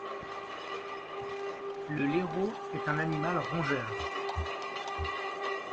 Le lérot est un animal rongeur